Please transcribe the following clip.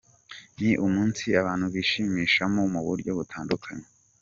Ni umunsi abantu bishimishamo mu buryo butandukanye.